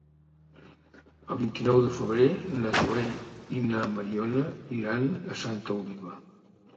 El vint-i-nou de febrer na Zoè i na Mariona iran a Santa Oliva.